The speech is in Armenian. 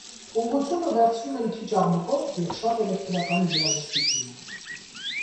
Ուղղությունը վերցնում են քիչ աղմկոտ և շատ էլեկտրական երաժշտությանը։